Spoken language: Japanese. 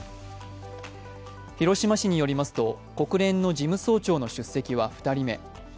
広島市によりますと、国連の事務総長の出席は２人目。